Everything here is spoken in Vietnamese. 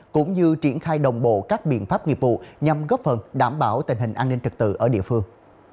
cũng như triển khai đồng bộ các biện pháp nghiệp vụ nhằm góp phần đảm bảo tình hình an ninh trật tự ở địa phương